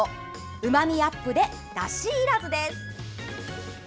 うまみアップで、だしいらずです。